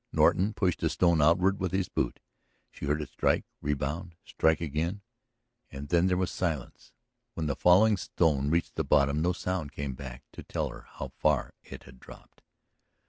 Norton pushed a stone outward with his boot; she heard it strike, rebound, strike again ... and then there was silence; when the falling stone reached the bottom no sound came back to tell her how far it had dropped.